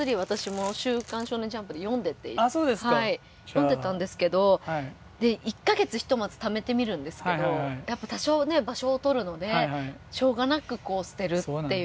読んでたんですけどで１か月ひとまずためてみるんですけどやっぱ多少ね場所をとるのでしょうがなくこう捨てるっていう。